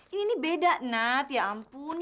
ini ini beda nat ya ampun